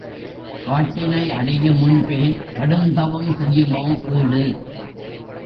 காட்டினை அடையு முன்பே கடுந்தவம் செய்யுமோ வீடு?